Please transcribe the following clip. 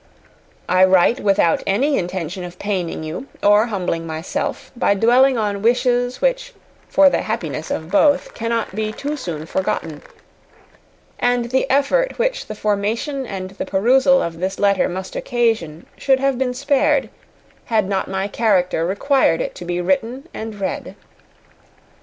I write without any intention of paining you, or humbling myself, by dwelling on wishes, which, for the happiness of both, cannot be too soon forgotten; and the effort which the formation and the perusal of this letter must occasion, should have been spared, had not my character required it to be written and read.